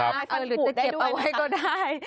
ใช่หรือจะเก็บเอาไว้ก็ได้